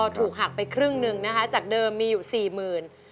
ถูกหักไปครึ่งหนึ่งนะคะจากเดิมมีอยู่สี่หมื่น